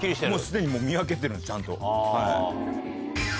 すでに見分けてるちゃんと。